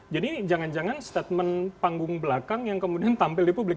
jadi jangan jangan statement panggung belakang yang kemudian tampil di publik